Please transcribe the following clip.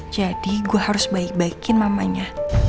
jadi gue harus baik baikin mamanya